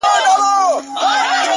ستا د ميني پـــه كـــورگـــي كـــــي؛